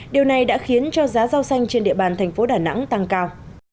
điều này đã khiến cho giá rau xanh trên địa bàn thành phố đà nẵng tăng cao